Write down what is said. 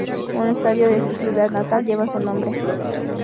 Un estadio de su ciudad natal lleva su nombre.